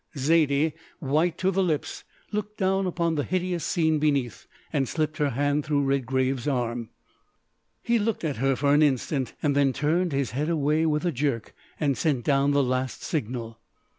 Zaidie, white to the lips, looked down upon the hideous scene beneath and slipped her hand through Redgrave's arm. He looked at her for an instant and then turned his head away with a jerk, and sent down the last signal.